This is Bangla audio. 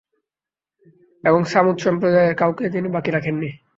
এবং ছামূদ সম্প্রদায়ের কাউকেও তিনি বাকি রাখেননি।